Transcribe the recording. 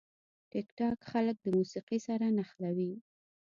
ټیکټاک خلک د موسیقي سره نښلوي.